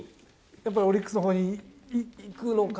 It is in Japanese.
やっぱオリックスのほうに行